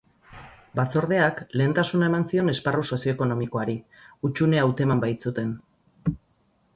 Batzordeak lehentasuna eman zion esparru sozio-ekonomikoari, hutsunea hauteman baitzuten.